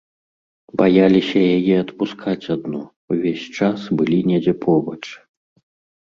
Баяліся яе адпускаць адну, увесь час былі недзе побач.